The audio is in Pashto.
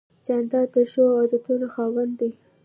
جانداد د ښو عادتونو خاوند دی.